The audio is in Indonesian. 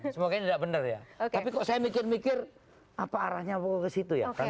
semoga ini tidak benar ya tapi kok saya mikir mikir apa arahnya mau ke situ ya